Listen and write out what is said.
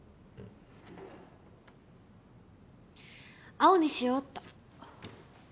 青にしようっと！